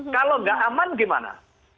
kalau gak aman gimana